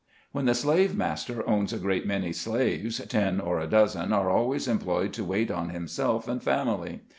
When the slave master owns a great many slaves, ten or a dozen are always employed to wait on him self and family.